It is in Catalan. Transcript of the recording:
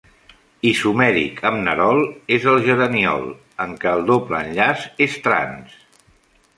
Isomèric amb nerol és el geraniol, en què el doble enllaç és trans.